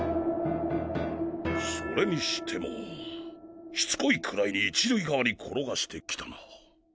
それにしてもしつこいくらいに１塁側に転がしてきたな。